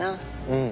うん。